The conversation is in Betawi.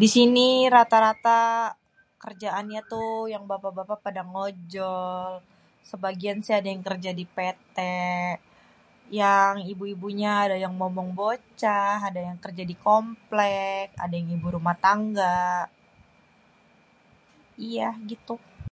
Di sini rata-rata kerjaannya tuh, yang bapak-bapak ngojol, sebagian si ada yang kêrja di PT, yang ibu-ibunya pada momong bocah, yang kêrja di komplék, ada yang ibu rumah tangga, iyah gitu.